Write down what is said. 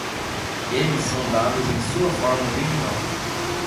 Eles são dados em sua forma original.